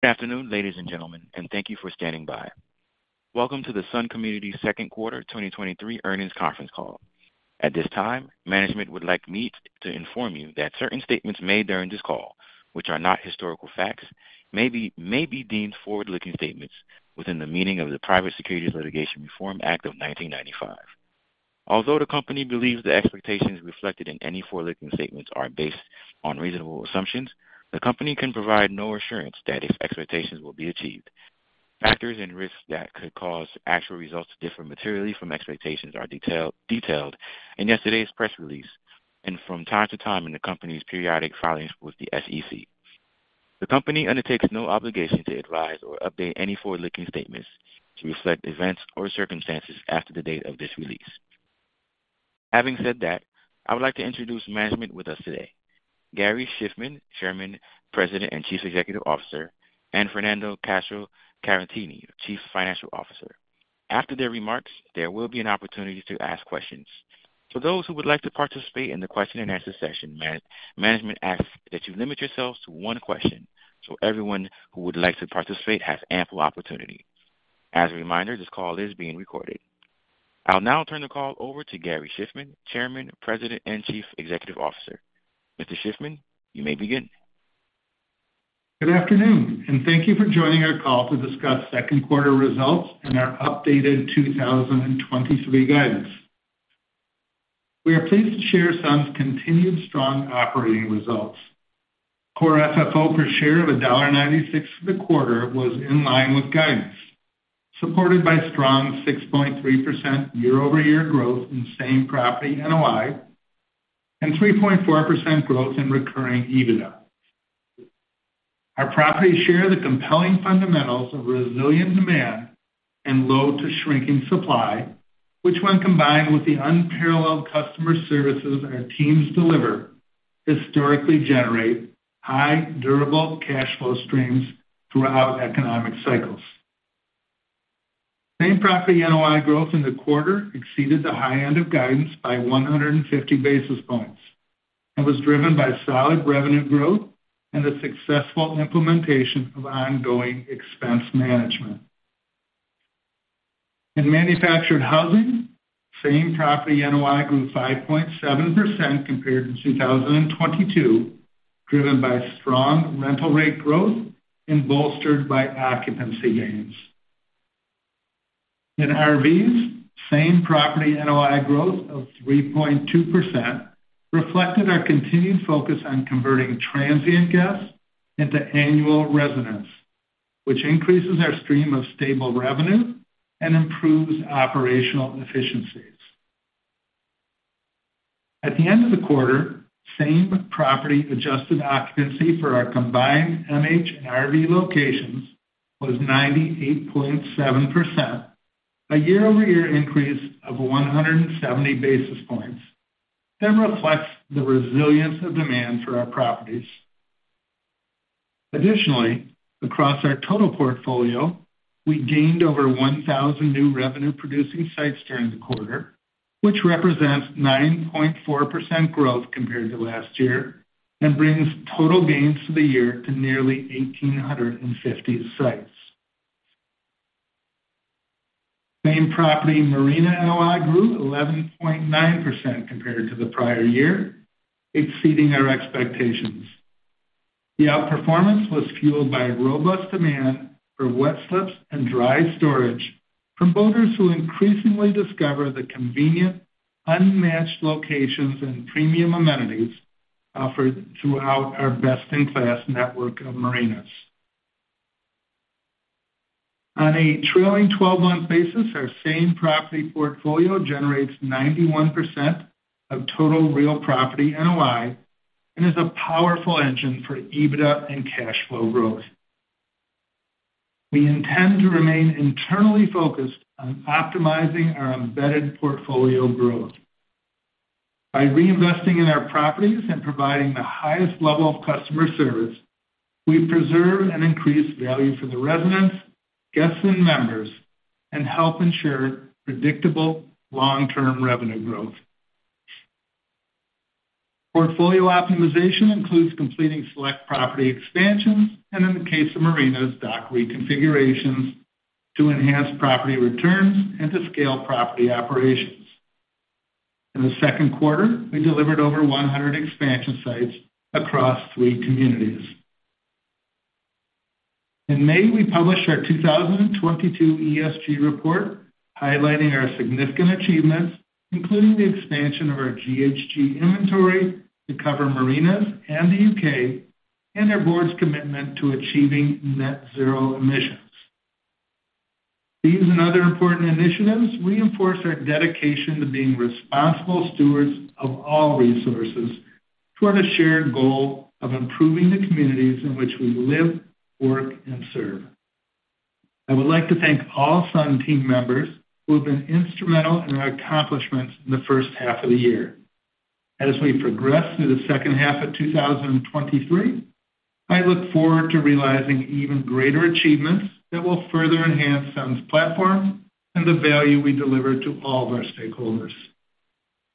Good afternoon, ladies and gentlemen. Thank you for standing by. Welcome to the Sun Communities' second quarter 2023 earnings conference call. At this time, management would like me to inform you that certain statements made during this call, which are not historical facts, may be deemed forward-looking statements within the meaning of the Private Securities Litigation Reform Act of 1995. Although the company believes the expectations reflected in any forward-looking statements are based on reasonable assumptions, the company can provide no assurance that its expectations will be achieved. Factors and risks that could cause actual results to differ materially from expectations are detailed in yesterday's press release, and from time to time in the company's periodic filings with the SEC. The company undertakes no obligation to advise or update any forward-looking statements to reflect events or circumstances after the date of this release. Having said that, I would like to introduce management with us today, Gary Shiffman, Chairman, President, and Chief Executive Officer, and Fernando Castro-Caratini, Chief Financial Officer. After their remarks, there will be an opportunity to ask questions. For those who would like to participate in the question and answer session, management asks that you limit yourselves to one question, so everyone who would like to participate has ample opportunity. As a reminder, this call is being recorded. I'll now turn the call over to Gary Shiffman, Chairman, President, and Chief Executive Officer. Mr. Shiffman, you may begin. Good afternoon, and thank you for joining our call to discuss second quarter results and our updated 2023 guidance. We are pleased to share some continued strong operating results. Core FFO per share of $1.96 for the quarter was in line with guidance, supported by strong 6.3% year-over-year growth in Same Property NOI, and 3.4% growth in Recurring EBITDA. Our properties share the compelling fundamentals of resilient demand and low to shrinking supply, which, when combined with the unparalleled customer services our teams deliver, historically generate high, durable cash flow streams throughout economic cycles. Same Property NOI growth in the quarter exceeded the high end of guidance by 150 basis points and was driven by solid revenue growth and the successful implementation of ongoing expense management. In Manufactured Housing, Same Property NOI grew 5.7% compared to 2022, driven by strong rental rate growth and bolstered by occupancy gains. In RVs, Same Property NOI growth of 3.2% reflected our continued focus on converting transient guests into annual residents, which increases our stream of stable revenue and improves operational efficiencies. At the end of the quarter, Same Property adjusted occupancy for our combined MH and RV locations was 98.7%, a year-over-year increase of 170 basis points, that reflects the resilience of demand for our properties. Additionally, across our total portfolio, we gained over 1,000 new revenue-producing sites during the quarter, which represents 9.4% growth compared to last year and brings total gains for the year to nearly 1,850 sites. Same property marina NOI grew 11.9% compared to the prior year, exceeding our expectations. The outperformance was fueled by robust demand for wet slips and dry storage from boaters who increasingly discover the convenient, unmatched locations and premium amenities offered throughout our best-in-class network of marinas. On a trailing 12-month basis, our Same Property portfolio generates 91% of total real property NOI and is a powerful engine for EBITDA and cash flow growth. We intend to remain internally focused on optimizing our embedded portfolio growth. By reinvesting in our properties and providing the highest level of customer service, we preserve and increase value for the residents, guests, and members, and help ensure predictable long-term revenue growth. Portfolio optimization includes completing select property expansions and, in the case of marinas, dock reconfigurations to enhance property returns and to scale property operations. In the second quarter, we delivered over 100 expansion sites across three communities. In May, we published our 2022 ESG report, highlighting our significant achievements, including the expansion of our GHG inventory to cover marinas and the U.K., and our board's commitment to achieving net zero emissions. These other important initiatives reinforce our dedication to being responsible stewards of all resources toward a shared goal of improving the communities in which we live, work, and serve. I would like to thank all Sun team members who have been instrumental in our accomplishments in the first half of the year. As we progress through the second half of 2023, I look forward to realizing even greater achievements that will further enhance Sun's platform and the value we deliver to all of our stakeholders.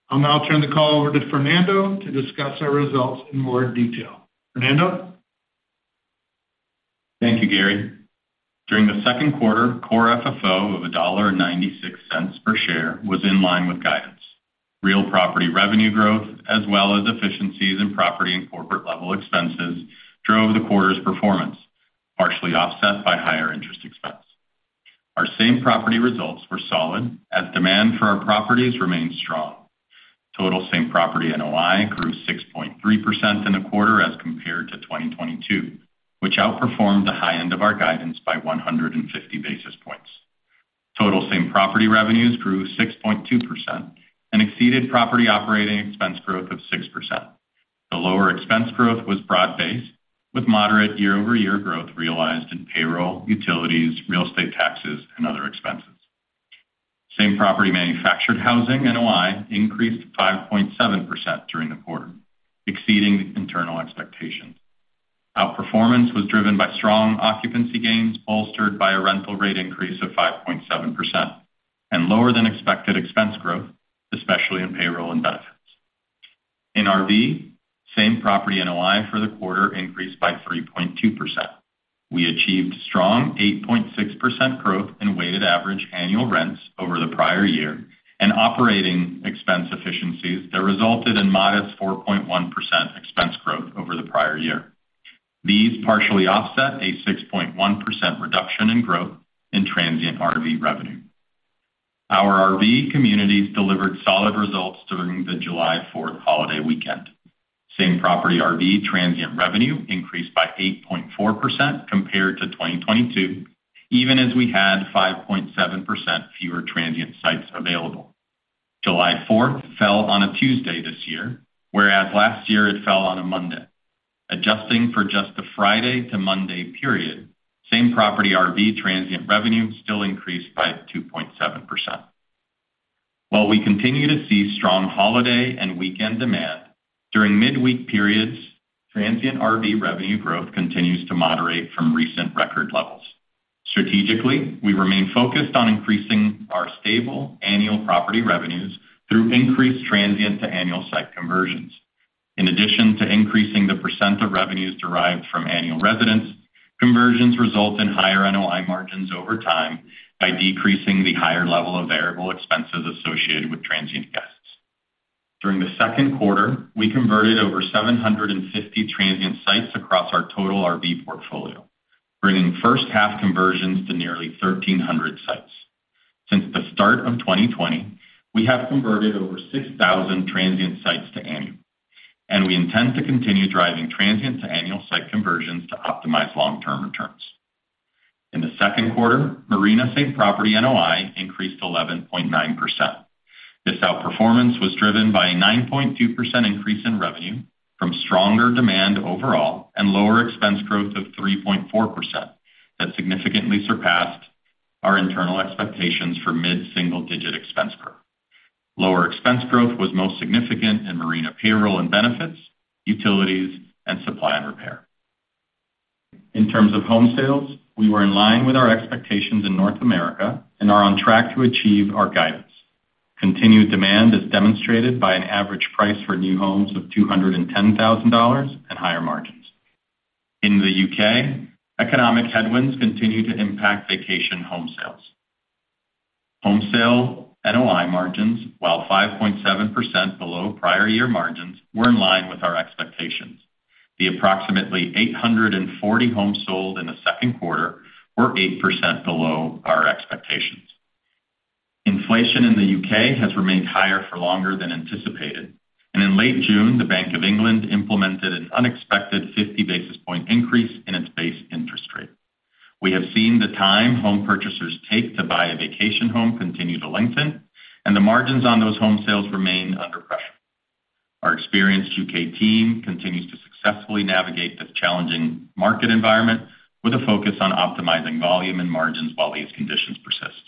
I'll now turn the call over to Fernando to discuss our results in more detail. Fernando? Thank you, Gary. During the second quarter, Core FFO of $1.96 per share was in line with guidance. Real property revenue growth, as well as efficiencies in property and corporate level expenses, drove the quarter's performance, partially offset by higher interest expense. Our Same Property results were solid, as demand for our properties remained strong. Total Same Property NOI grew 6.3% in the quarter as compared to 2022, which outperformed the high end of our guidance by 150 basis points. Total Same Property revenues grew 6.2% and exceeded property operating expense growth of 6%. The lower expense growth was broad-based, with moderate year-over-year growth realized in payroll, utilities, real estate taxes, and other expenses. Same Property Manufactured Housing NOI increased 5.7% during the quarter, exceeding internal expectations. Outperformance was driven by strong occupancy gains, bolstered by a rental rate increase of 5.7%, and lower than expected expense growth, especially in payroll and benefits. In RV, Same Property NOI for the quarter increased by 3.2%. We achieved strong 8.6% growth in weighted average annual rents over the prior year, and operating expense efficiencies that resulted in modest 4.1% expense growth over the prior year. These partially offset a 6.1% reduction in growth in transient RV revenue. Our RV communities delivered solid results during the July 4th holiday weekend. Same Property RV transient revenue increased by 8.4% compared to 2022, even as we had 5.7% fewer transient sites available. July Fourth fell on a Tuesday this year, whereas last year it fell on a Monday. Adjusting for just the Friday to Monday period, Same Property RV transient revenue still increased by 2.7%. While we continue to see strong holiday and weekend demand, during midweek periods, transient RV revenue growth continues to moderate from recent record levels. Strategically, we remain focused on increasing our stable annual property revenues through increased transient to annual site conversions. In addition to increasing the percent of revenues derived from annual residents, conversions result in higher NOI margins over time by decreasing the higher level of variable expenses associated with transient guests. During the second quarter, we converted over 750 transient sites across our total RV portfolio, bringing first half conversions to nearly 1,300 sites. Since the start of 2020, we have converted over 6,000 transient sites to annual, and we intend to continue driving transient to annual site conversions to optimize long-term returns. In the second quarter, marina same property NOI increased 11.9%. This outperformance was driven by a 9.2% increase in revenue from stronger demand overall and lower expense growth of 3.4%, that significantly surpassed our internal expectations for mid-single digit expense growth. Lower expense growth was most significant in marina payroll and benefits, utilities, and supply and repair. In terms of home sales, we were in line with our expectations in North America and are on track to achieve our guidance. Continued demand is demonstrated by an average price for new homes of $210,000 and higher margins. In the U.K., economic headwinds continue to impact vacation home sales. Home sale NOI margins, while 5.7% below prior year margins, were in line with our expectations. The approximately 840 homes sold in the second quarter were 8% below our expectations. Inflation in the U.K. has remained higher for longer than anticipated, and in late June, the Bank of England implemented an unexpected 50 basis point increase in its base interest rate. We have seen the time home purchasers take to buy a vacation home continue to lengthen, and the margins on those home sales remain under pressure. Our experienced U.K. team continues to successfully navigate this challenging market environment with a focus on optimizing volume and margins while these conditions persist.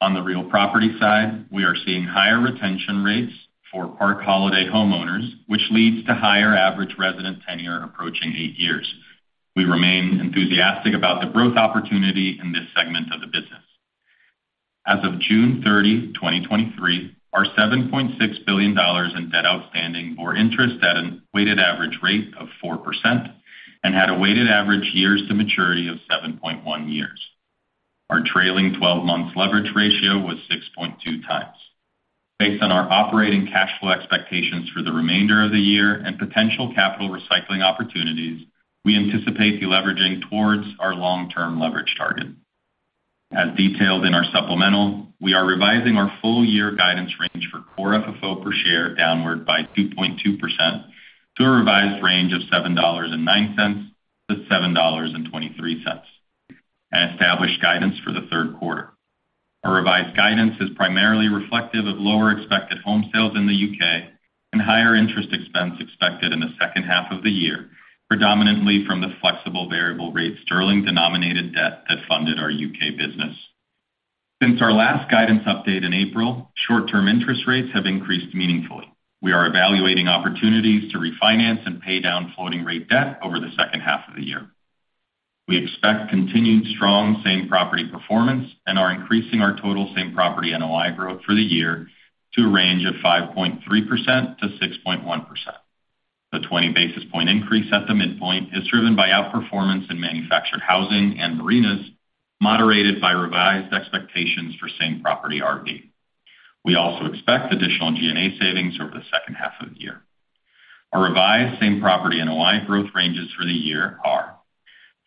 On the real property side, we are seeing higher retention rates for park holiday homeowners, which leads to higher average resident tenure approaching eight years. We remain enthusiastic about the growth opportunity in this segment of the business. As of June 30, 2023, our $7.6 billion in debt outstanding or interest at a weighted average rate of 4% and had a weighted average years to maturity of 7.1 years. Our trailing 12-month leverage ratio was 6.2x. Based on our operating cash flow expectations for the remainder of the year and potential capital recycling opportunities, we anticipate deleveraging towards our long-term leverage target. As detailed in our supplemental, we are revising our full year guidance range for Core FFO per share downward by 2.2% to a revised range of $7.09-$7.23, and established guidance for the third quarter. Our revised guidance is primarily reflective of lower expected home sales in the U.K. and higher interest expense expected in the second half of the year, predominantly from the flexible variable rate sterling-denominated debt that funded our U.K. business. Since our last guidance update in April, short-term interest rates have increased meaningfully. We are evaluating opportunities to refinance and pay down floating rate debt over the second half of the year. We expect continued strong Same Property performance and are increasing our total Same Property NOI growth for the year to a range of 5.3%-6.1%. The 20 basis point increase at the midpoint is driven by outperformance in Manufactured Housing and Marinas, moderated by revised expectations for same property RV. We also expect additional G&A savings over the second half of the year. Our revised Same Property NOI growth ranges for the year are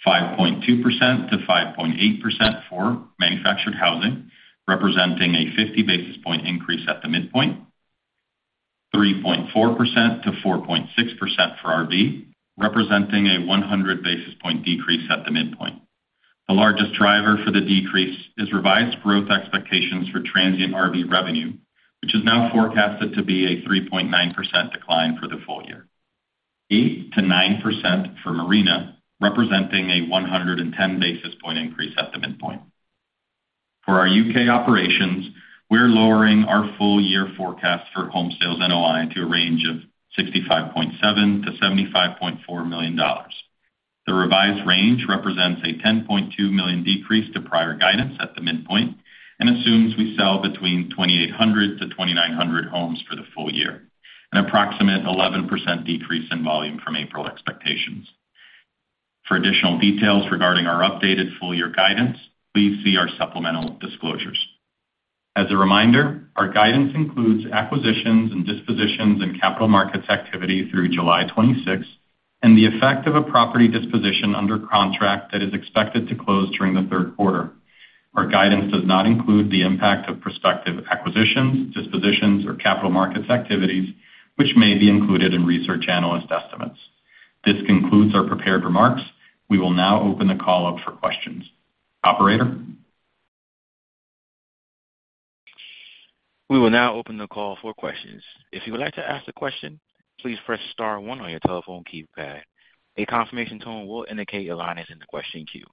5.2%-5.8% for Manufactured Housing, representing a 50 basis point increase at the midpoint. 3.4%-4.6% for RV, representing a 100 basis point decrease at the midpoint. The largest driver for the decrease is revised growth expectations for transient RV revenue, which is now forecasted to be a 3.9% decline for the full year. 8%-9% for Marina, representing a 110 basis point increase at the midpoint. For our U.K. operations, we're lowering our full year forecast for home sales NOI to a range of $65.7 million-$75.4 million. The revised range represents a $10.2 million decrease to prior guidance at the midpoint, and assumes we sell between 2,800-2,900 homes for the full year, an approximate 11% decrease in volume from April expectations. For additional details regarding our updated full year guidance, please see our supplemental disclosures. As a reminder, our guidance includes acquisitions and dispositions and capital markets activity through July 26th, and the effect of a property disposition under contract that is expected to close during the third quarter. Our guidance does not include the impact of prospective acquisitions, dispositions, or capital markets activities, which may be included in research analyst estimates. This concludes our prepared remarks. We will now open the call up for questions. Operator? We will now open the call for questions. If you would like to ask a question, please press star one on your telephone keypad. A confirmation tone will indicate your line is in the question queue.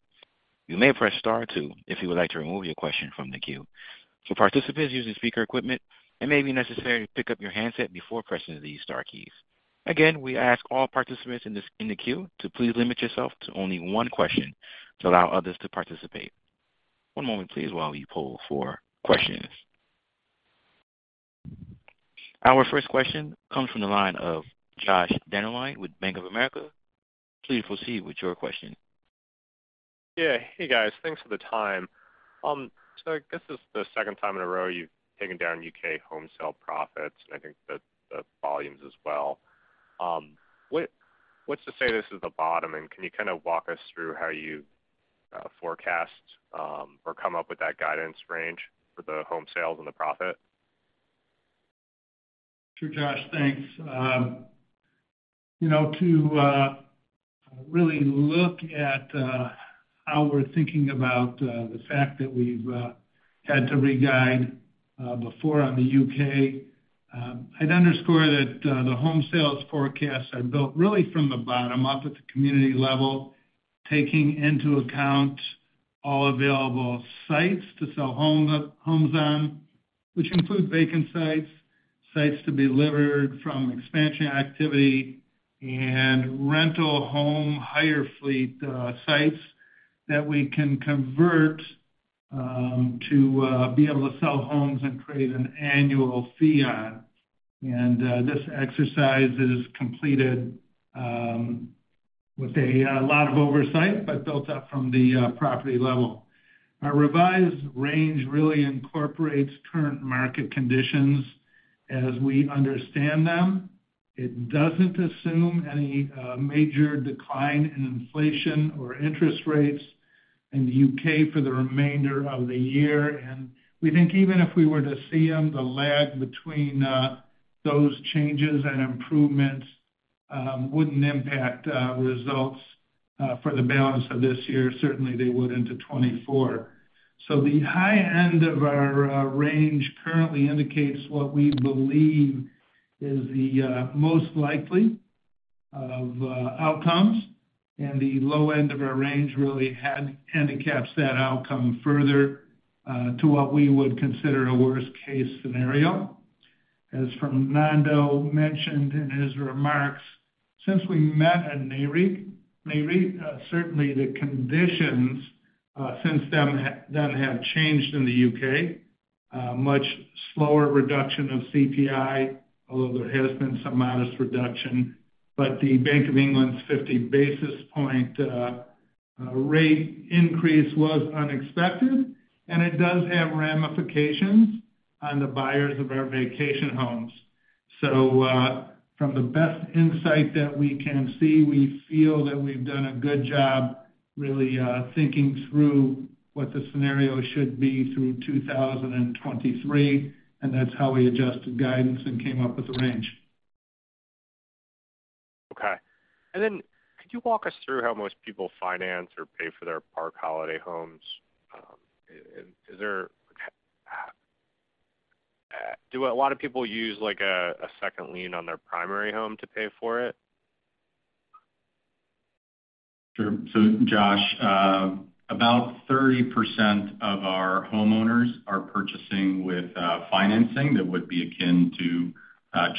You may press star two if you would like to remove your question from the queue. For participants using speaker equipment, it may be necessary to pick up your handset before pressing these star keys. Again, we ask all participants in the queue to please limit yourself to only one question to allow others to participate. One moment please, while we poll for questions. Our first question comes from the line of Josh Dennerlein with Bank of America. Please proceed with your question. Yeah. Hey, guys, thanks for the time. I guess this is the second time in a row you've taken down U.K. home sale profits, and I think the, the volumes as well. What, what's to say this is the bottom? Can you kind of walk us through how you forecast or come up with that guidance range for the home sales and the profit? Sure, Josh, thanks. you know, to really look at how we're thinking about the fact that we've had to re-guide before on the U.K., I'd underscore that the home sales forecasts are built really from the bottom up at the community level, taking into account all available sites to sell home, homes on, which include vacant sites, sites to be delivered from expansion activity and rental home higher fleet, sites that we can convert to be able to sell homes and create an annual fee on. This exercise is completed with a lot of oversight, but built up from the property level. Our revised range really incorporates current market conditions as we understand them. It doesn't assume any major decline in inflation or interest rates in the U.K. for the remainder of the year. We think even if we were to see them, the lag between those changes and improvements wouldn't impact results for the balance of this year. Certainly, they would into 2024. The high end of our range currently indicates what we believe is the most likely of outcomes, and the low end of our range really handicaps that outcome further to what we would consider a worst-case scenario. As Fernando mentioned in his remarks, since we met in Nareit, certainly the conditions since then have changed in the U.K. Much slower reduction of CPI, although there has been some modest reduction. The Bank of England's 50 basis point rate increase was unexpected, and it does have ramifications on the buyers of our vacation homes. From the best insight that we can see, we feel that we've done a good job really thinking through what the scenario should be through 2023, and that's how we adjusted guidance and came up with the range. Okay. Then, could you walk us through how most people finance or pay for their Park Holiday homes? Do a lot of people use, like, a second lien on their primary home to pay for it? Sure. Josh, about 30% of our homeowners are purchasing with financing that would be akin to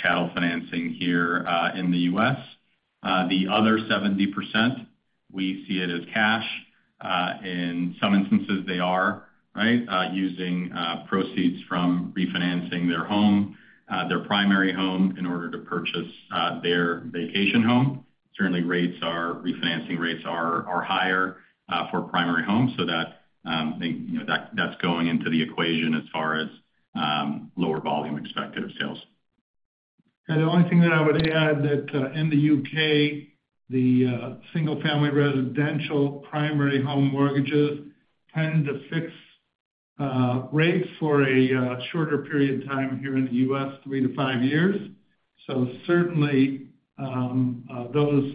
chattel loan here in the U.S. The other 70%, we see it as cash. In some instances, they are, right, using proceeds from refinancing their primary home in order to purchase their vacation home. Certainly, refinancing rates are higher for primary homes, so that, you know, that's going into the equation as far as lower volume expected of sales. The only thing that I would add that in the U.K., the single-family residential primary home mortgages tend to fix rates for a shorter period of time here in the U.S., three to five years. Certainly, those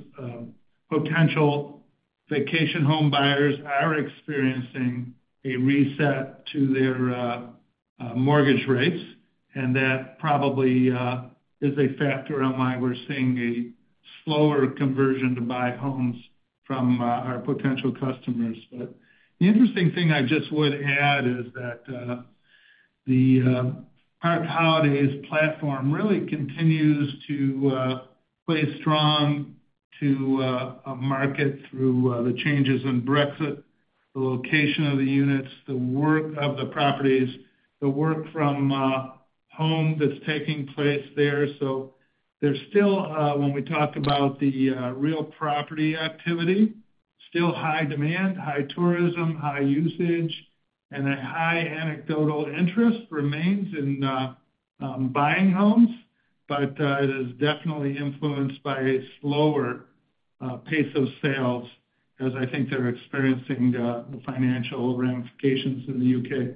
potential vacation home buyers are experiencing a reset to their mortgage rates, and that probably is a factor on why we're seeing a slower conversion to buy homes from our potential customers. The interesting thing I just would add is that the Park Holidays platform really continues to play strong to a market through the changes in Brexit, the location of the units, the work of the properties, the work from home that's taking place there. There's still, when we talk about the real property activity, still high demand, high tourism, high usage, and a high anecdotal interest remains in buying homes. It is definitely influenced by a slower pace of sales, as I think they're experiencing the financial ramifications in the U.K.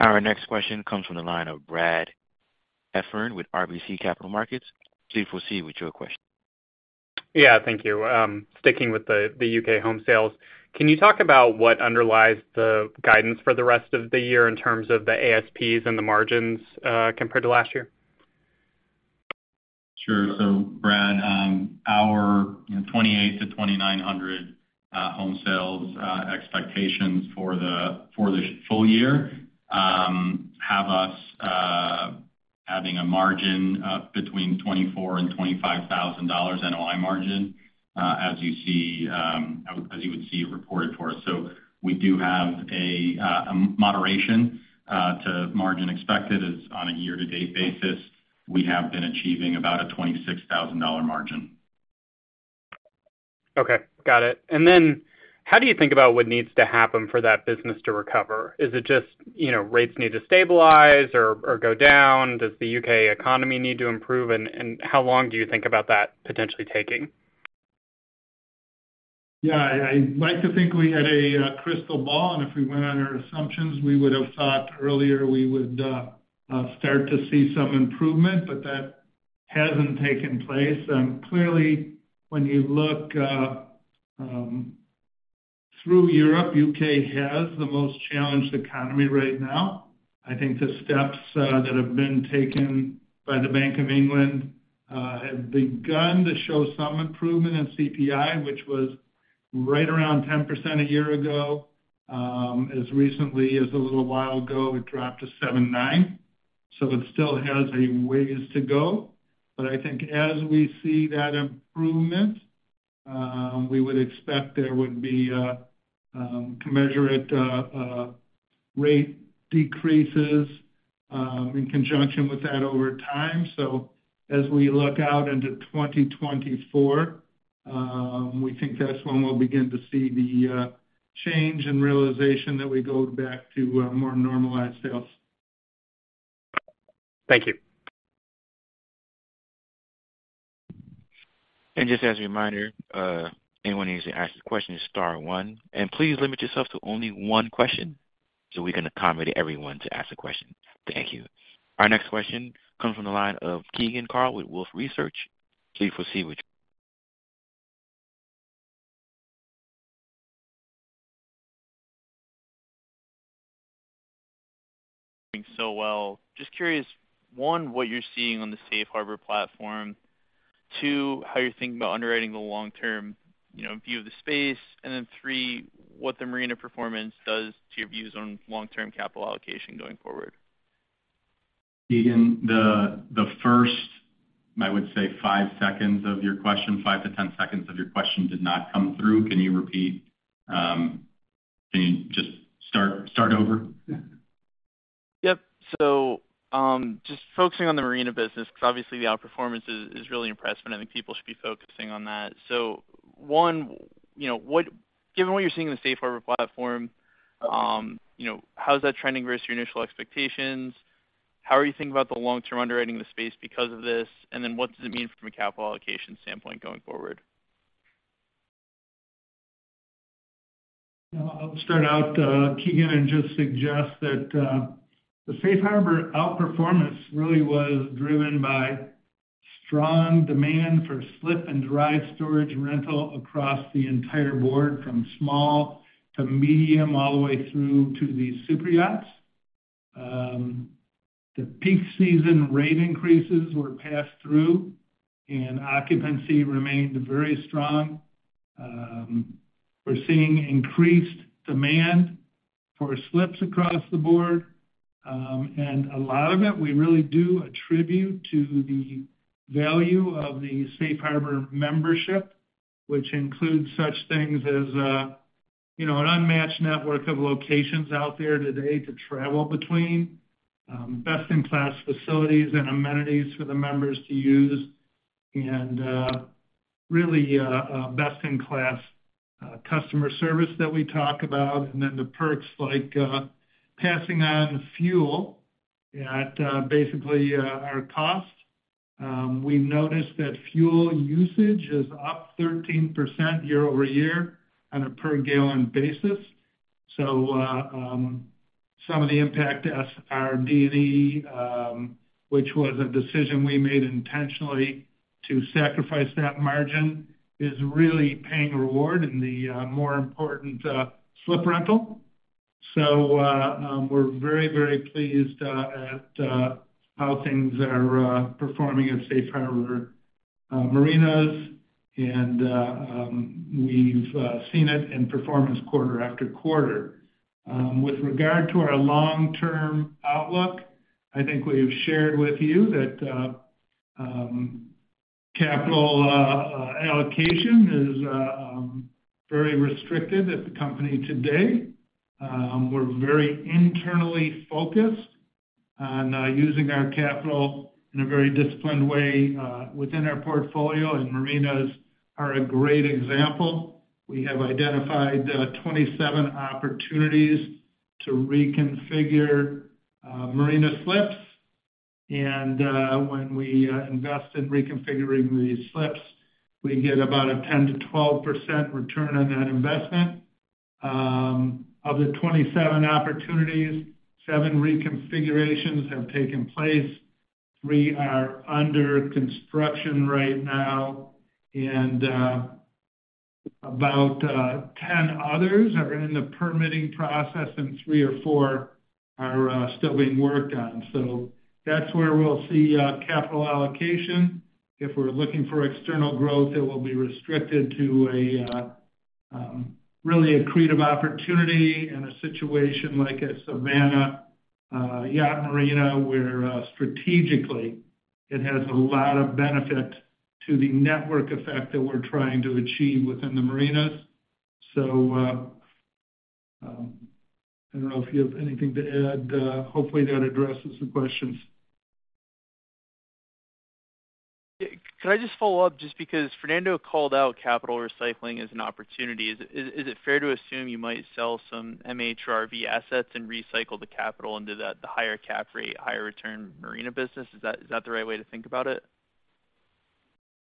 Our next question comes from the line of Brad Heffern with RBC Capital Markets. Please proceed with your question. Yeah, thank you. Sticking with the, the U.K. home sales, can you talk about what underlies the guidance for the rest of the year in terms of the ASPs and the margins, compared to last year? Sure. Brad, our 2,800-2,900 home sales expectations for the full year have us having a margin of between $24,000 and $25,000 NOI margin, as you see, as you would see it reported for us. We do have a moderation to margin expected, as on a year-to-date basis, we have been achieving about a $26,000 margin. Okay, got it. How do you think about what needs to happen for that business to recover? Is it just, you know, rates need to stabilize or, or go down? Does the U.K. economy need to improve? How long do you think about that potentially taking? I'd like to think we had a crystal ball, and if we went on our assumptions, we would have thought earlier we would start to see some improvement, but that hasn't taken place. Clearly, when you look through Europe, U.K. has the most challenged economy right now. I think the steps that have been taken by the Bank of England have begun to show some improvement in CPI, which was right around 10% a year ago. As recently as a little while ago, it dropped to 7.9, so it still has a ways to go. I think as we see that improvement, we would expect there would be commensurate rate decreases in conjunction with that over time. As we look out into 2024, we think that's when we'll begin to see the change and realization that we go back to more normalized sales. Thank you. Just as a reminder, anyone who needs to ask a question is star one, please limit yourself to only one question, so we can accommodate everyone to ask a question. Thank you. Our next question comes from the line of Keegan Carl with Wolfe Research. Please proceed. Well. Just curious, one, what you're seeing on the Safe Harbor platform. Two, how you're thinking about underwriting the long-term, you know, view of the space. Three, what the marina performance does to your views on long-term capital allocation going forward. Keegan, the, the first, I would say, five seconds of your question, 5-10 seconds of your question did not come through. Can you repeat? Can you just start over? Yep. Just focusing on the marina business, because obviously the outperformance is really impressive, and I think people should be focusing on that. One, you know, given what you're seeing in the Safe Harbor platform, you know, how's that trending versus your initial expectations? How are you thinking about the long-term underwriting the space because of this? What does it mean from a capital allocation standpoint going forward? I'll start out, Keegan, just suggest that the Safe Harbor outperformance really was driven by strong demand for slip and drive storage rental across the entire board, from small to medium, all the way through to the super yachts. The peak season rate increases were passed through, occupancy remained very strong. We're seeing increased demand for slips across the board. A lot of it, we really do attribute to the value of the Safe Harbor membership, which includes such things as, you know, an unmatched network of locations out there today to travel between, best-in-class facilities and amenities for the members to use, and really a best-in-class customer service that we talk about, and then the perks, passing on fuel at basically our cost. We noticed that fuel usage is up 13% year-over-year on a per gallon basis. Some of the impact as our BE, which was a decision we made intentionally to sacrifice that margin, is really paying reward in the more important slip rental. We're very, very pleased at how things are performing at Safe Harbor Marinas, and we've seen it in performance quarter after quarter. With regard to our long-term outlook, I think we have shared with you that capital allocation is very restricted at the company today. We're very internally focused on using our capital in a very disciplined way within our portfolio, and marinas are a great example. We have identified 27 opportunities to reconfigure marina slips, and when we invest in reconfiguring these slips, we get about a 10%-12% return on that investment. Of the 27 opportunities, seven reconfigurations have taken place, three are under construction right now, and about 10 others are in the permitting process, and three or four are still being worked on. That's where we'll see capital allocation. If we're looking for external growth, it will be restricted to a really accretive opportunity in a situation like a Savannah Yacht marina, where strategically, it has a lot of benefit to the network effect that we're trying to achieve within the marinas. I don't know if you have anything to add. Hopefully, that addresses the questions. Can I just follow up? Just because Fernando called out capital recycling as an opportunity, is it fair to assume you might sell some MH, RV assets and recycle the capital into that, the higher cap rate, higher return marina business? Is that the right way to think about it?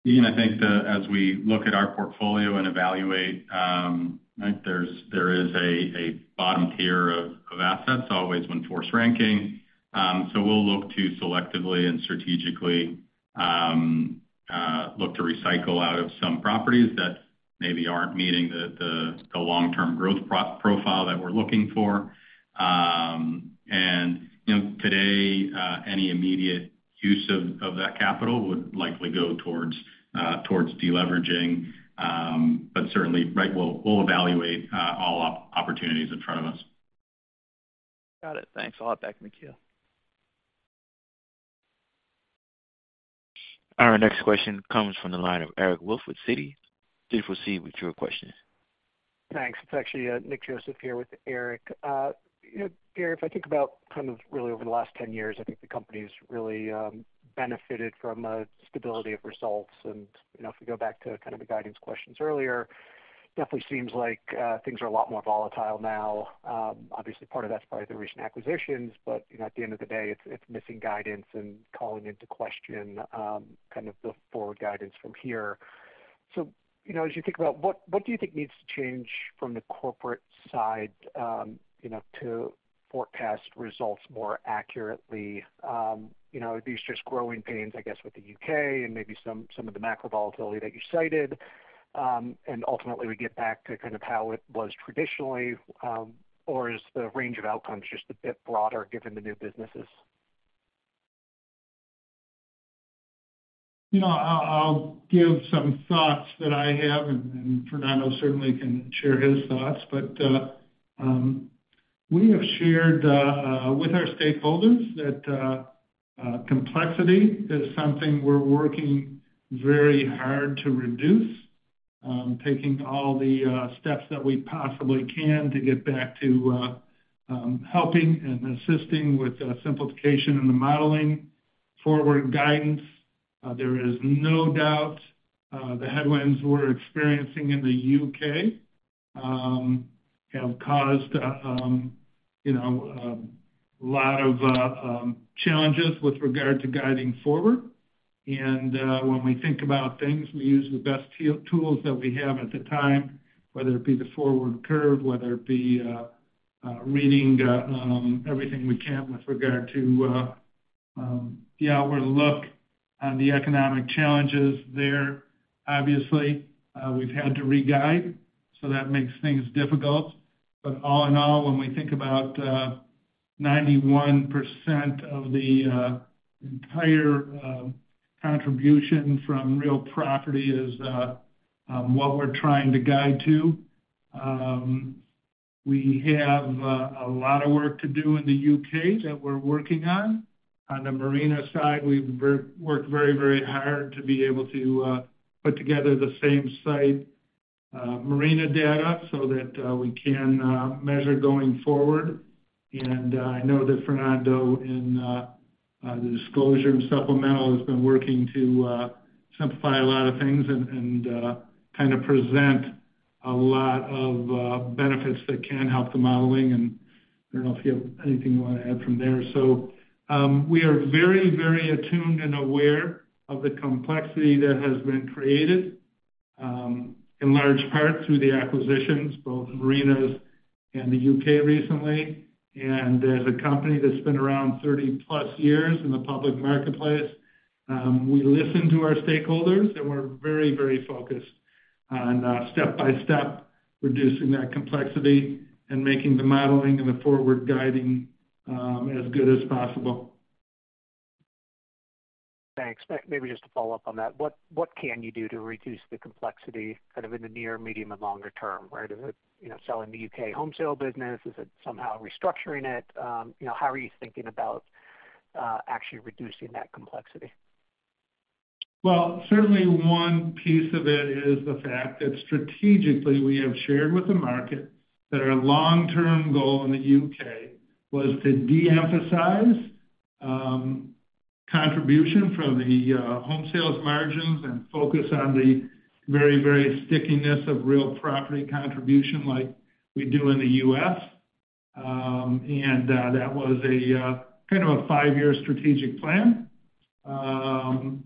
Keegan, I think that as we look at our portfolio and evaluate, right, there is a bottom tier of assets, always when force ranking. We'll look to selectively and strategically look to recycle out of some properties that maybe aren't meeting the long-term growth profile that we're looking for. You know, today, any immediate use of that capital would likely go towards deleveraging. Certainly, right, we'll evaluate all opportunities in front of us. Got it. Thanks a lot. Back to the queue. Our next question comes from the line of Eric Wolfe with Citi. Please proceed with your question. Thanks. It's actually, Nick Joseph here with Eric. You know, Gary, if I think about kind of really over the last 10 years, I think the company's really benefited from a stability of results. You know, if we go back to kind of the guidance questions earlier, definitely seems like things are a lot more volatile now. Obviously, part of that's probably the recent acquisitions, but, you know, at the end of the day, it's, it's missing guidance and calling into question, kind of the forward guidance from here. You know, as you think about, what, what do you think needs to change from the corporate side, you know, to forecast results more accurately? You know, are these just growing pains, I guess, with the U.K. and maybe some of the macro volatility that you cited, and ultimately we get back to kind of how it was traditionally, or is the range of outcomes just a bit broader given the new businesses? You know, I'll give some thoughts that I have, and Fernando certainly can share his thoughts. We have shared with our stakeholders that complexity is something we're working very hard to reduce, taking all the steps that we possibly can to get back to helping and assisting with simplification in the modeling forward guidance. There is no doubt, the headwinds we're experiencing in the U.K. have caused, you know, a lot of challenges with regard to guiding forward. When we think about things, we use the best tools that we have at the time, whether it be the forward curve, whether it be reading everything we can with regard to. The outward look on the economic challenges there, obviously, we've had to reguide, that makes things difficult. All in all, when we think about 91% of the entire contribution from real property is what we're trying to guide to. We have a lot of work to do in the U.K. that we're working on. On the marina side, we've worked very hard to be able to put together the same site marina data that we can measure going forward. I know that Fernando, in the disclosure and supplemental, has been working to simplify a lot of things and present a lot of benefits that can help the modeling. I don't know if you have anything you want to add from there. We are very, very attuned and aware of the complexity that has been created in large part through the acquisitions, both marinas and the U.K. recently. As a company that's been around 30+ years in the public marketplace, we listen to our stakeholders, and we're very, very focused on step-by-step reducing that complexity and making the modeling and the forward guiding as good as possible. Thanks. Maybe just to follow up on that, what can you do to reduce the complexity kind of in the near, medium, and longer term, right? Is it, you know, selling the U.K. home sale business? Is it somehow restructuring it? You know, how are you thinking about actually reducing that complexity? Well, certainly one piece of it is the fact that strategically, we have shared with the market that our long-term goal in the U.K. was to de-emphasize contribution from the home sales margins and focus on the very, very stickiness of real property contribution like we do in the U.S. That was a kind of a five-year strategic plan.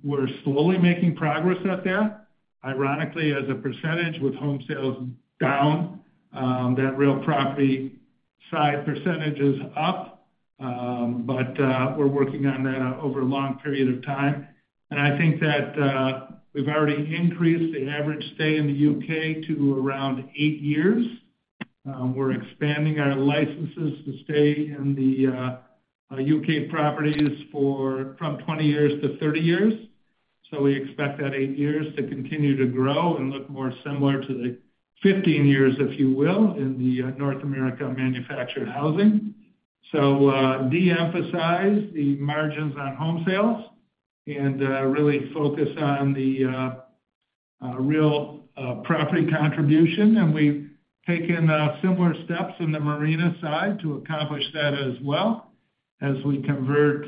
We're slowly making progress out there. Ironically, as a percentage, with home sales down, that real property side % is up. We're working on that over a long period of time. I think that we've already increased the average stay in the U.K. to around eight years. We're expanding our licenses to stay in the U.K. properties for from 20 years to 30 years. We expect that eight years to continue to grow and look more similar to the 15 years, if you will, in North America Manufactured Housing. De-emphasize the margins on home sales and really focus on the real property contribution. We've taken similar steps in the marina side to accomplish that as well, as we convert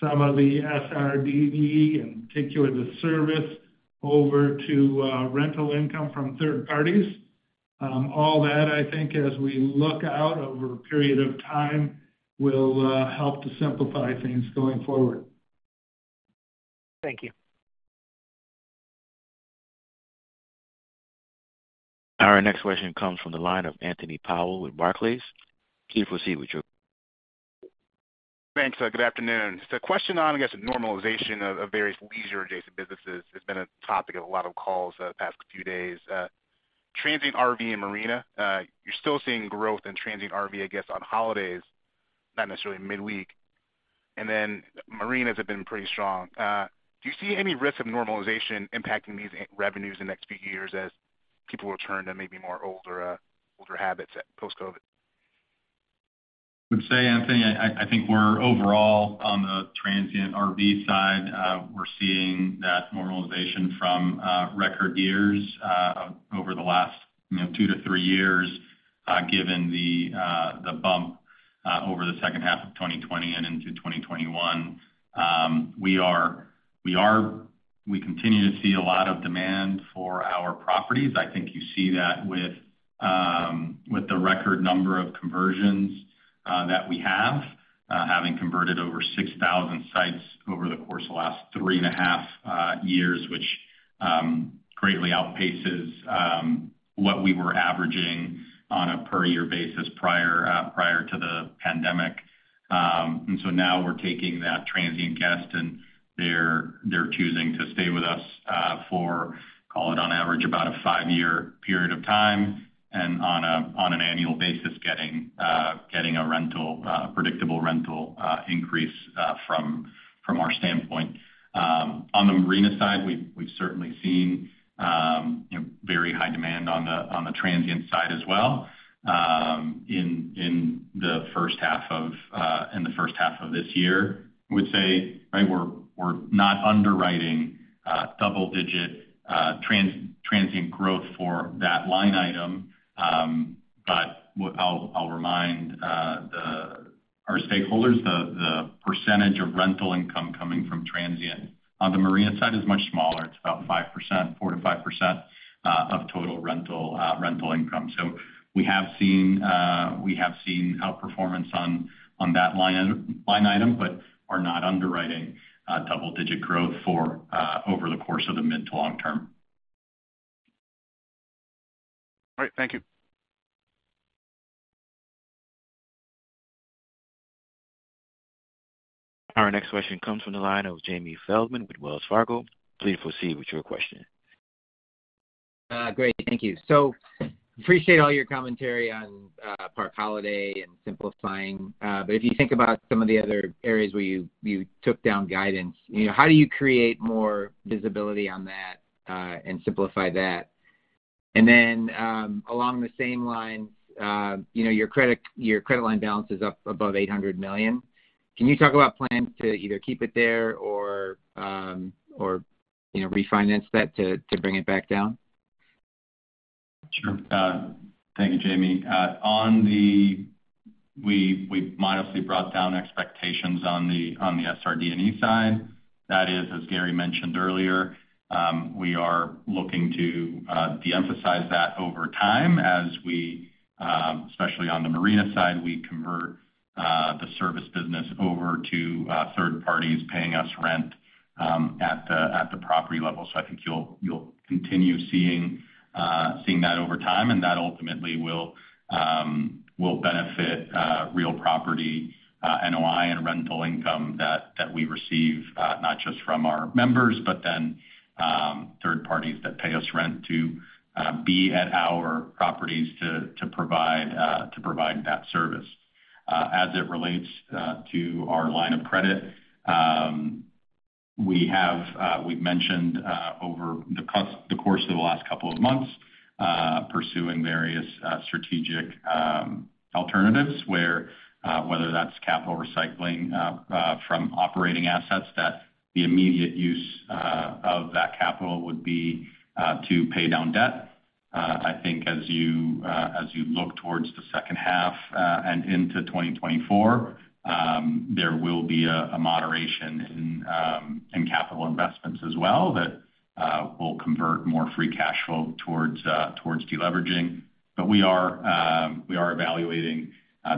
some of the SRD&E, in particular, the service over to rental income from third parties. All that, I think, as we look out over a period of time, will help to simplify things going forward. Thank you. Our next question comes from the line of Anthony Powell with Barclays. Okay, we'll see what you. Thanks. Good afternoon. A question on, I guess, the normalization of various leisure-adjacent businesses. It's been a topic of a lot of calls the past few days. Transient RV and marina, you're still seeing growth in transient RV, I guess, on holidays, not necessarily midweek, and then marinas have been pretty strong. Do you see any risk of normalization impacting these revenues in the next few years as people return to maybe more older habits post-COVID? I would say, Anthony, I, I think we're overall on the transient RV side, we're seeing that normalization from record years over the last, you know, two to three years, given the bump over the second half of 2020 and into 2021. We continue to see a lot of demand for our properties. I think you see that with the record number of conversions that we have, having converted over 6,000 sites over the course of the last three and a half years, which greatly outpaces what we were averaging on a per year basis prior to the pandemic. Now we're taking that transient guest, and they're choosing to stay with us, for, call it, on average, about a five-year period of time, and on an annual basis, getting a rental, predictable rental, increase from our standpoint. On the marina side, we've certainly seen very high demand on the transient side as well, in the first half of this year. I would say, right, we're not underwriting double-digit transient growth for that line item. What I'll remind our stakeholders, the percentage of rental income coming from transient on the marina side is much smaller. It's about 5%, 4%-5% of total rental income. We have seen outperformance on that line item, but are not underwriting double-digit growth for over the course of the mid to long term. All right, thank you. Our next question comes from the line of Jamie Feldman with Wells Fargo. Please proceed with your question. Great, thank you. Appreciate all your commentary on Park Holiday and simplifying. But if you think about some of the other areas where you took down guidance, you know, how do you create more visibility on that and simplify that? Then, along the same lines, you know, your credit line balance is up above $800 million. Can you talk about plans to either keep it there or, or, you know, refinance that to bring it back down? Sure. Thank you, Jamie. We, we modestly brought down expectations on the, on the SRD&E side. That is, as Gary mentioned earlier, we are looking to de-emphasize that over time as we, especially on the marina side, we convert the service business over to third parties paying us rent, at the property level. I think you'll continue seeing that over time, and that ultimately will benefit real property NOI and rental income that we receive, not just from our members, but then, third parties that pay us rent to be at our properties to provide that service. As it relates to our line of credit, we have mentioned over the course of the last couple of months pursuing various strategic alternatives, whether that's capital recycling from operating assets, that the immediate use of that capital would be to pay down debt. I think as you look towards the second half and into 2024, there will be a moderation in capital investments as well, that will convert more free cash flow towards deleveraging. But we are evaluating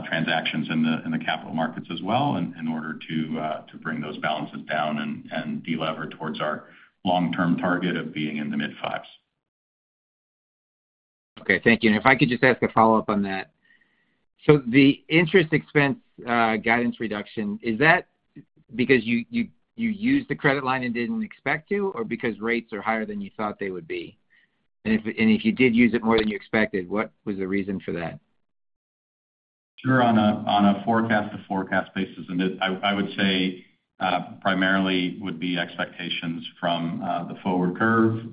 transactions in the capital markets as well in order to to bring those balances down and delever towards our long-term target of being in the mid 5s. Okay, thank you. If I could just ask a follow-up on that. The interest expense, guidance reduction, is that because you used the credit line and didn't expect to, or because rates are higher than you thought they would be? If you did use it more than you expected, what was the reason for that? Sure. On a forecast-to-forecast basis, and I would say, primarily would be expectations from the forward curve,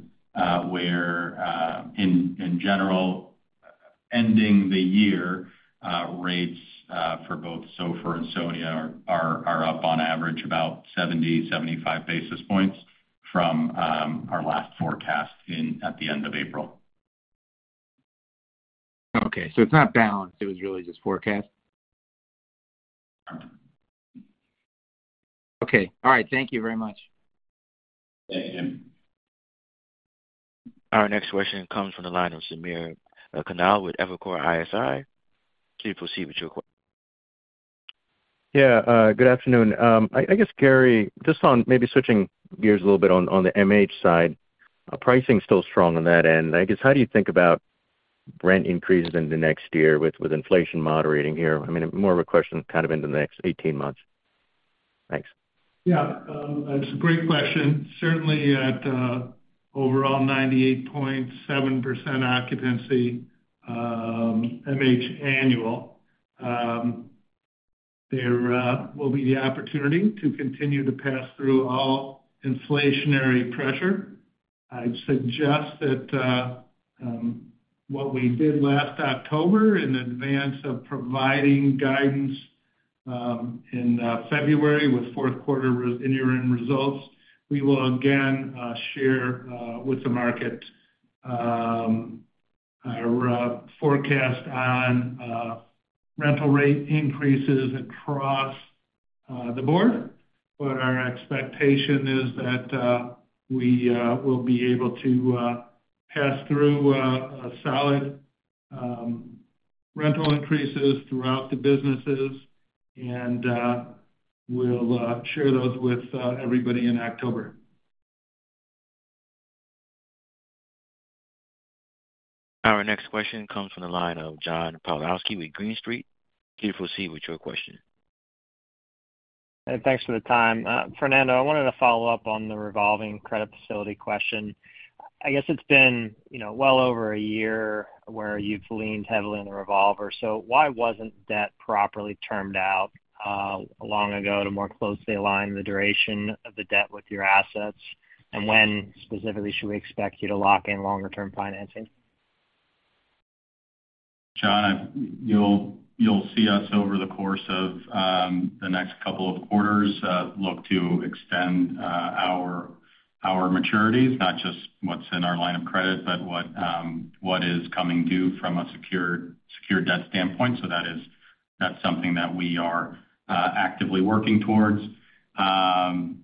where, in general, ending the year, rates for both SOFR and SONIA are up on average about 70-75 basis points from our last forecast in at the end of April. Okay, it's not balanced. It was really just forecast? Mm-hmm. Okay. All right. Thank you very much. Thank you. Our next question comes from the line of Samir Khanal with Evercore ISI. Please proceed with your. Yeah, good afternoon. I guess, Gary, just on maybe switching gears a little bit on the MH side, pricing is still strong on that end. I guess, how do you think about rent increases in the next year with inflation moderating here? I mean, more of a question kind of in the next 18 months. Thanks. It's a great question. Certainly at overall 98.7% occupancy, MH annual, there will be the opportunity to continue to pass through all inflationary pressure. I'd suggest that what we did last October in advance of providing guidance in February with fourth quarter interim results, we will again share with the market our forecast on rental rate increases across the board. Our expectation is that we will be able to pass through a solid rental increases throughout the businesses, and we'll share those with everybody in October. Our next question comes from the line of John Pawlowski with Green Street. Please proceed with your question. Thanks for the time. Fernando, I wanted to follow up on the revolving credit facility question. I guess it's been, you know, well over a year where you've leaned heavily on the revolver. Why wasn't debt properly termed out, long ago to more closely align the duration of the debt with your assets? When, specifically, should we expect you to lock in longer-term financing? John, you'll, you'll see us over the course of the next couple of quarters, look to extend our maturities, not just what's in our line of credit, but what is coming due from a secure debt standpoint. That is, that's something that we are actively working towards. You know,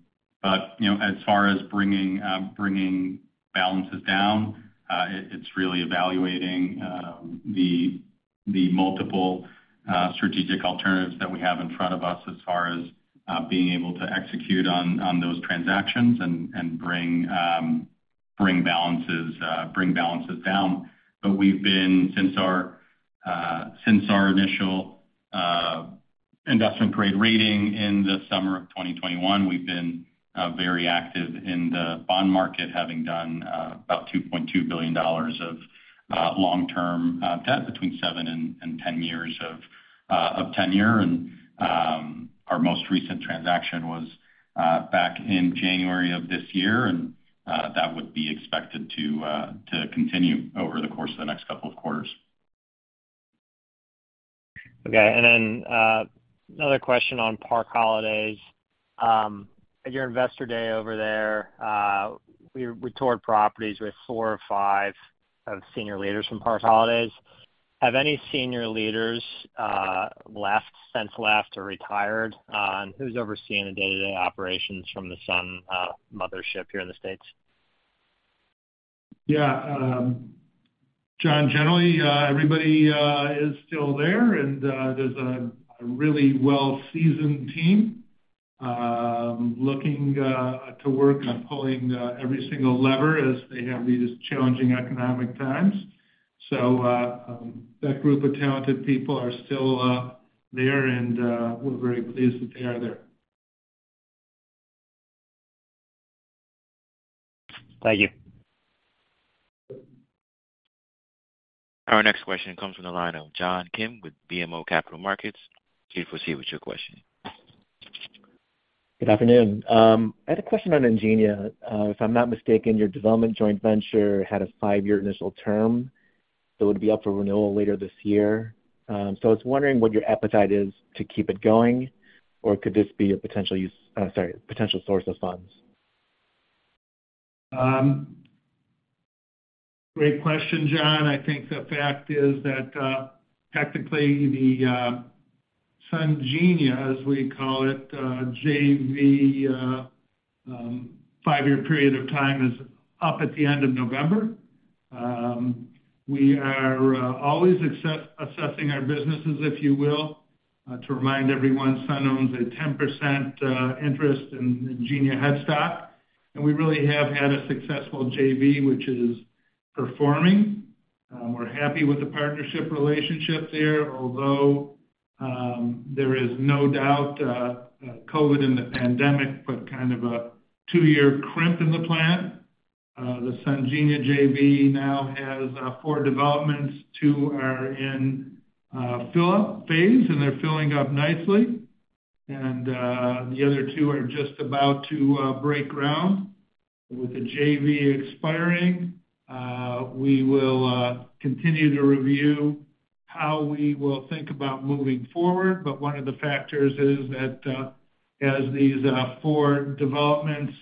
as far as bringing balances down, it, it's really evaluating the multiple strategic alternatives that we have in front of us as far as being able to execute on those transactions and bring balances down. We've been, since our, since our initial investment grade rating in the summer of 2021, we've been very active in the bond market, having done about $2.2 billion of long-term debt between 7 and 10 years of tenure. Our most recent transaction was back in January of this year, and that would be expected to continue over the course of the next couple of quarters. Okay. Then another question on Park Holidays. At your Investor Day over there, we toured properties with four or five of senior leaders from Park Holidays. Have any senior leaders left, since left or retired? Who's overseeing the day-to-day operations from the Sun mothership here in the States? Yeah. John, generally, everybody is still there, and there's a really well-seasoned team looking to work on pulling every single lever as they have these challenging economic times. That group of talented people are still there, and we're very pleased that they are there. Thank you. Our next question comes from the line of John Kim with BMO Capital Markets. Please proceed with your question. Good afternoon. I had a question on Ingenia. If I'm not mistaken, your development joint venture had a five-year initial term, that would be up for renewal later this year. I was wondering what your appetite is to keep it going, or could this be a potential use, sorry, potential source of funds? Great question, John. I think the fact is that technically, the Sungenia, as we call it, JV, five-year period of time is up at the end of November. We are always assessing our businesses, if you will. To remind everyone, Sun owns a 10% interest in Ingenia headstock, and we really have had a successful JV, which is performing. We're happy with the partnership relationship there, although there is no doubt COVID and the pandemic put kind of a two-year crimp in the plan. The Sungenia JV now has four developments. Two are in fill-up phase, and they're filling up nicely. The other two are just about to break ground. With the JV expiring, we will continue to review how we will think about moving forward. One of the factors is that as these four developments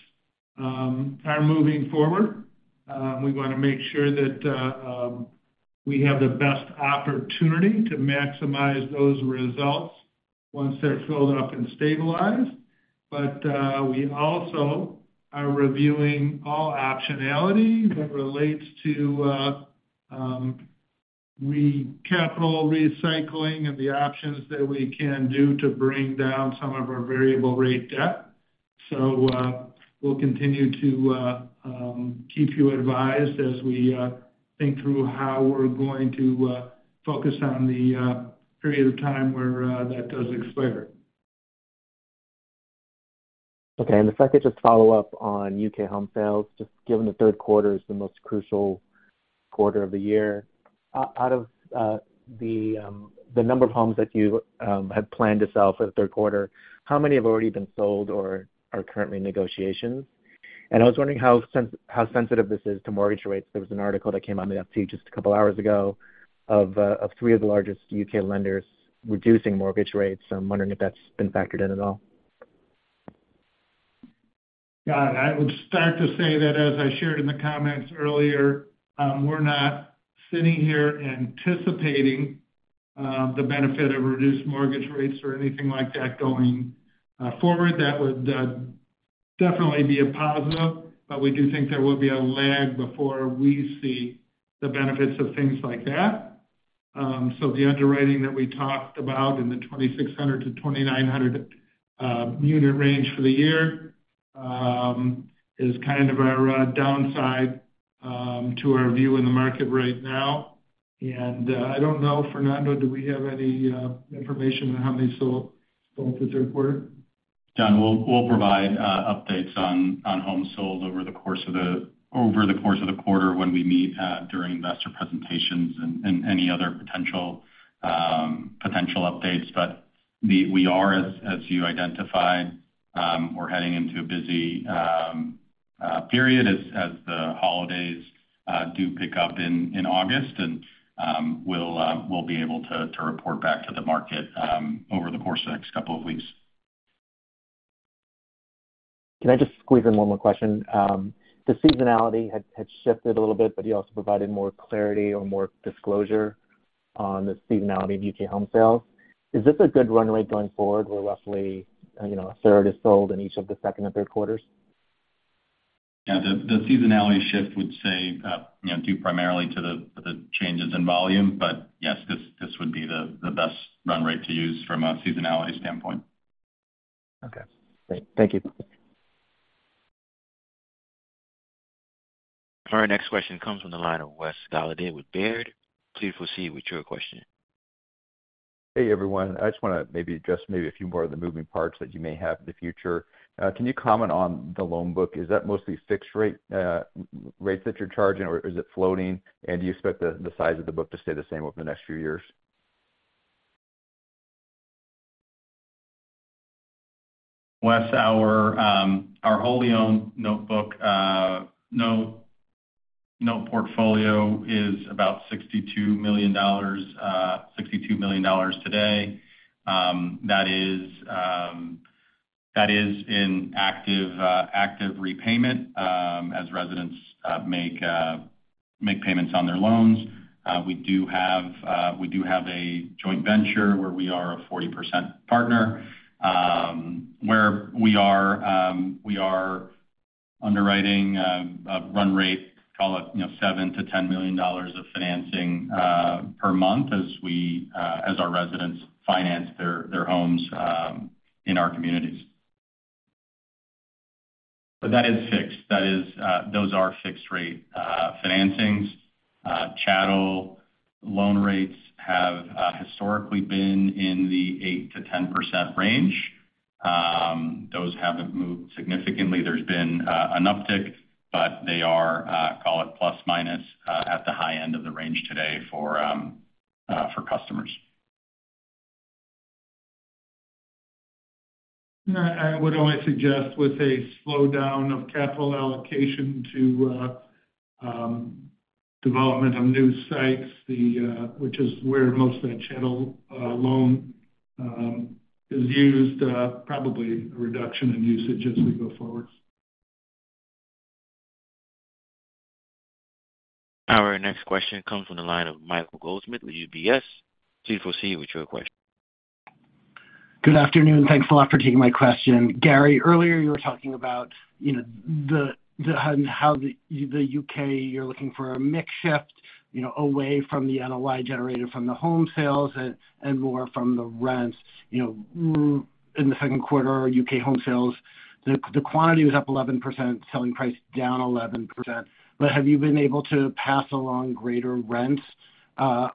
are moving forward, we wanna make sure that we have the best opportunity to maximize those results once they're filled up and stabilized. We also are reviewing all optionality that relates to capital recycling and the options that we can do to bring down some of our variable rate debt. We'll continue to keep you advised as we think through how we're going to focus on the period of time where that does expire. Okay. If I could just follow up on U.K. home sales, just given the third quarter is the most crucial quarter of the year. Out of the number of homes that you had planned to sell for the third quarter, how many have already been sold or are currently in negotiations? I was wondering how sensitive this is to mortgage rates. There was an article that came out in the FT just a couple of hours ago of three of the largest U.K. lenders reducing mortgage rates, so I'm wondering if that's been factored in at all. Yeah, I would start to say that, as I shared in the comments earlier, we're not sitting here anticipating the benefit of reduced mortgage rates or anything like that going forward. That would definitely be a positive, but we do think there will be a lag before we see the benefits of things like that. The underwriting that we talked about in the 2,600-2,900 unit range for the year, is kind of our downside to our view in the market right now. I don't know, Fernando, do we have any information on how many sold this quarter? John, we'll provide updates on homes sold over the course of the quarter when we meet during investor presentations and any other potential updates. We are, as you identified, we're heading into a busy period as the holidays do pick up in August. We'll be able to report back to the market over the course of the next couple of weeks. Can I just squeeze in one more question? The seasonality has shifted a little bit, but you also provided more clarity or more disclosure on the seasonality of U.K. home sales. Is this a good run rate going forward, where roughly, you know, a third is sold in each of the second and third quarters? Yeah, the seasonality shift would say, you know, due primarily to the changes in volume. Yes, this would be the best run rate to use from a seasonality standpoint. Okay, great. Thank you. Our next question comes from the line of Wes Golladay with Baird. Please proceed with your question. Hey, everyone. I just want to maybe address maybe a few more of the moving parts that you may have in the future. Can you comment on the loan book? Is that mostly fixed rate, rates that you're charging, or is it floating? Do you expect the size of the book to stay the same over the next few years? Wes, our wholly owned notebook note portfolio is about $62 million today. That is in active repayment as residents make payments on their loans. We do have a joint venture where we are a 40% partner where we are underwriting a run rate, call it, you know, $7 million-$10 million of financing per month as we as our residents finance their homes in our communities. That is fixed. Those are fixed rate financings. Chattel loan rates have historically been in the 8%-10% range. Those haven't moved significantly. There's been an uptick, but they are call it plus minus at the high end of the range today for for customers. I would only suggest with a slowdown of capital allocation to development of new sites, which is where most of that chattel loan is used, probably a reduction in usage as we go forward. Our next question comes from the line of Michael Goldsmith with UBS. Please proceed with your question. Good afternoon. Thanks a lot for taking my question. Gary, earlier you were talking about, you know, the how the U.K., you're looking for a mix shift, you know, away from the NOI generator from the home sales and more from the rents. You know, in the second quarter, U.K. home sales, the quantity was up 11%, selling price down 11%. Have you been able to pass along greater rents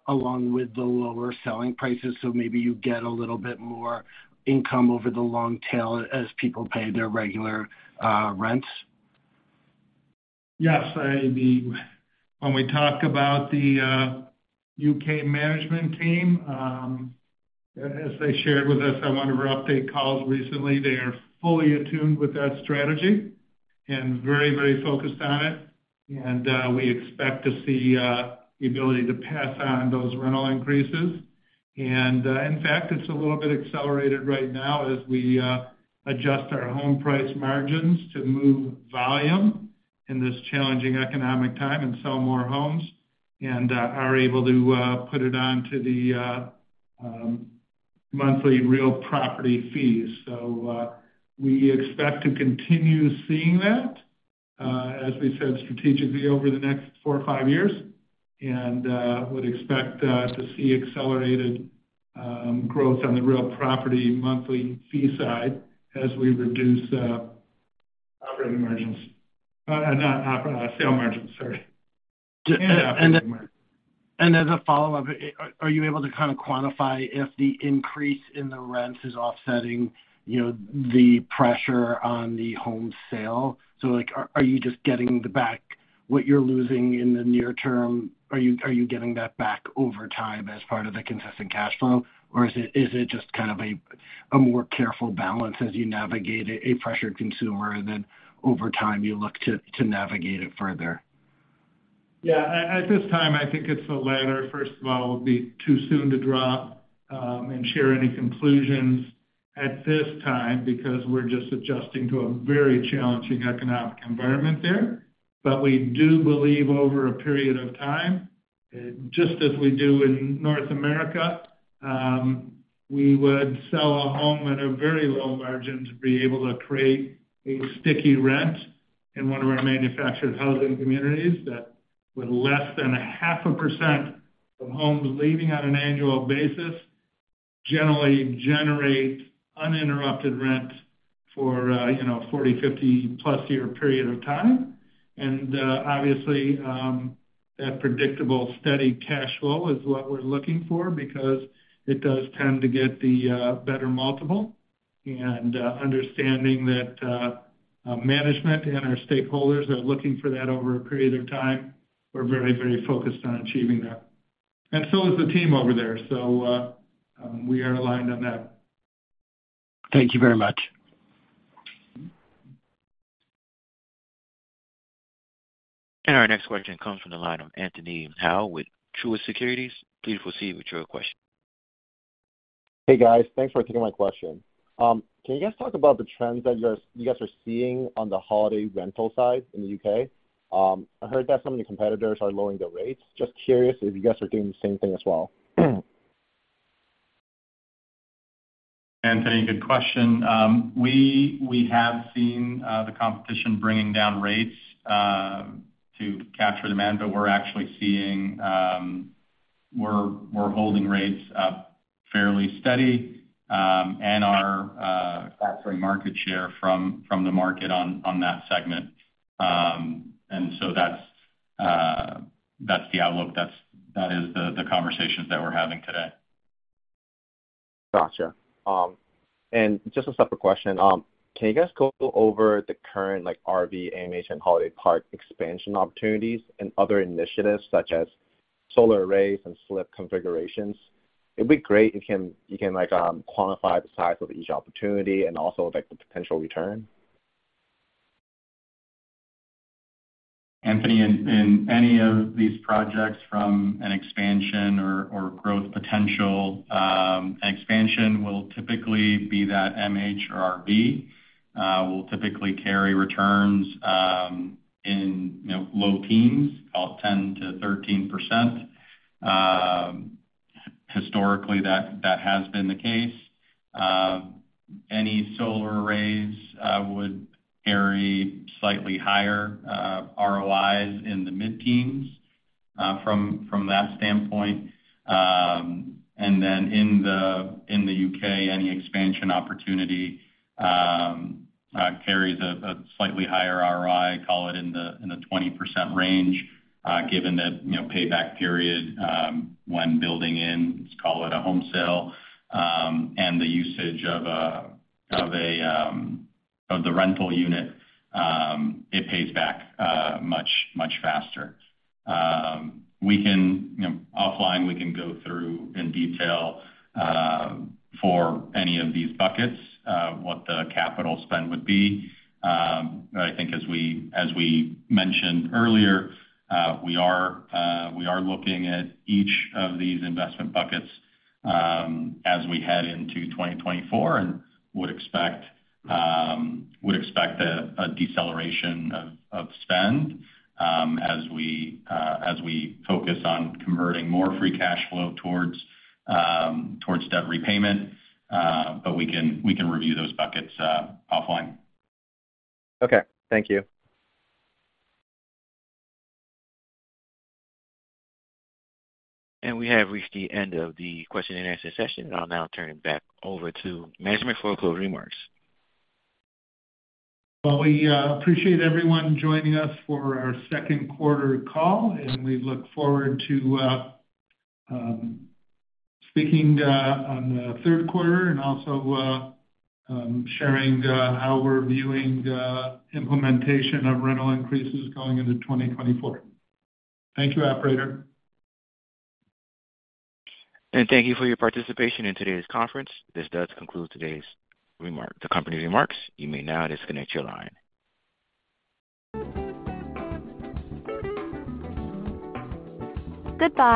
along with the lower selling prices, so maybe you get a little bit more income over the long tail as people pay their regular rents? Yes, I mean, when we talk about the U.K. management team, as they shared with us on one of our update calls recently, they are fully attuned with that strategy and very, very focused on it. We expect to see the ability to pass on those rental increases. In fact, it's a little bit accelerated right now as we adjust our home price margins to move volume in this challenging economic time and sell more homes, are able to put it onto the monthly real property fees. We expect to continue seeing that, as we said, strategically over the next four or five years, would expect to see accelerated growth on the real property monthly fee side as we reduce operating margins. Not operating, sale margins, sorry. As a follow-up, are you able to kind of quantify if the increase in the rents is offsetting, you know, the pressure on the home sale? Like, are you just getting back what you're losing in the near term? Are you getting that back over time as part of the consistent cash flow? Is it just kind of a more careful balance as you navigate a pressured consumer, and then over time, you look to navigate it further? Yeah. At this time, I think it's the latter. First of all, it would be too soon to draw and share any conclusions at this time because we're just adjusting to a very challenging economic environment there. We do believe over a period of time, just as we do in North America, we would sell a home at a very low margin to be able to create a sticky rent in one of our manufactured housing communities, that with less than a half a percent of homes leaving on an annual basis, generally generate uninterrupted rent for, you know, 40, 50+ year period of time. Obviously, that predictable, steady cash flow is what we're looking for because it does tend to get the better multiple. Understanding that management and our stakeholders are looking for that over a period of time, we're very focused on achieving that. Is the team over there. We are aligned on that. Thank you very much. Our next question comes from the line of Anthony Hau with Truist Securities. Please proceed with your question. Hey, guys. Thanks for taking my question. Can you guys talk about the trends that you guys are seeing on the holiday rental side in the U.K.? I heard that some of the competitors are lowering their rates. Just curious if you guys are doing the same thing as well? Anthony, good question. We have seen the competition bringing down rates to capture demand, but we're actually seeing we're holding rates fairly steady and are capturing market share from the market on that segment. That's the outlook. That is the conversations that we're having today. Gotcha. Just a separate question, can you guys go over the current, like, RV, MH, and holiday park expansion opportunities and other initiatives such as solar arrays and slip configurations? It'd be great if you can like, quantify the size of each opportunity and also, like, the potential return. Anthony, in any of these projects from an expansion or growth potential, an expansion will typically be that MH or RV will typically carry returns, in, you know, low teens, about 10%-13%. Historically, that has been the case. Any solar arrays would carry slightly higher ROIs in the mid-teens, from that standpoint. And then in the U.K., any expansion opportunity carries a slightly higher ROI, call it in the 20% range, given that, you know, payback period, when building in, let's call it a home sale, and the usage of a, of the rental unit, it pays back much faster. We can, you know. Offline, we can go through in detail, for any of these buckets, what the capital spend would be. I think as we mentioned earlier, we are looking at each of these investment buckets, as we head into 2024 and would expect a deceleration of spend, as we focus on converting more free cash flow towards debt repayment. We can review those buckets, offline. Okay. Thank you. We have reached the end of the question and answer session. I'll now turn it back over to management for closing remarks. Well, we appreciate everyone joining us for our second quarter call. We look forward to speaking on the third quarter and also sharing how we're viewing the implementation of rental increases going into 2024. Thank you, operator. Thank you for your participation in today's conference. This does conclude today's company remarks. You may now disconnect your line. Goodbye.